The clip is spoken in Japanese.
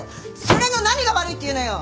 それの何が悪いっていうのよ！